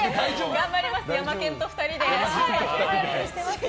頑張ります、ヤマケンと２人で。